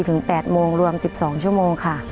ถึง๘โมงรวม๑๒ชั่วโมงค่ะ